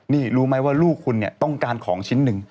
นี่รู้ไหมว่าลูกคุณเนี่ยต้องการของชิ้นหนึ่ง